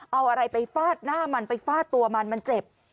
เอาอะไรไปฟาดหน้ามันไปฟาดตัวมันมันเจ็บ